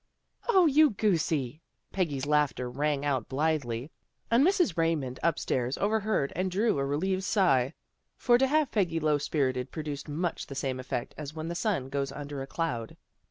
" 0, you goosie! " Peggy's laughter rang out blithely, and Mrs. Raymond upstairs, over heard and drew a relieved sigh. For to have Peggy low spirited produced much the same effect as when the sun goes under a cloud.